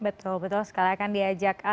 betul betul sekali akan diajak